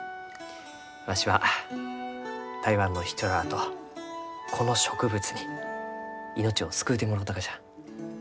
わしは台湾の人らあとこの植物に命を救うてもろうたがじゃ。